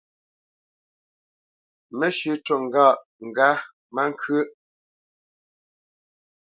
Mə́shʉ̄ cû ŋgâʼ má ŋkyə́ʼ.